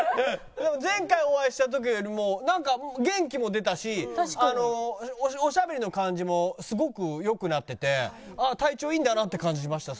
でも前回お会いした時よりも元気も出たしおしゃべりの感じもすごくよくなってて体調いいんだなって感じしました。